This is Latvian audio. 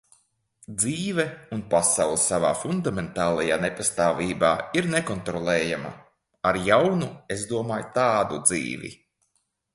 Dzīve un pasaule savā fundamentālajā nepastāvībā ir nekontrolējama. Ar "jaunu" es domāju tādu dzīvi.